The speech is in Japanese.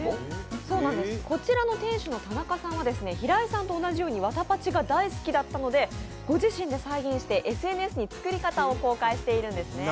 こちらの店主の田中さんは平井さんと同じようにわたパチが大好きだったのでご自身で再現してＳＮＳに作り方を公開しているんですね。